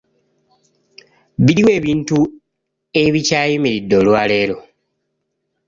Biriwa ebintu ebikyayimiridde olwaleero ?